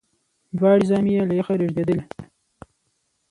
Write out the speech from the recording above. دواړي زامي یې له یخه رېږدېدلې